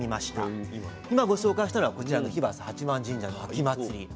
今ご紹介したのはこちらの日和佐八幡神社の秋祭り。